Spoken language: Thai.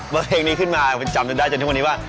เพลงนี้ขึ้นมาจำได้จนทุกวันนี้ว่า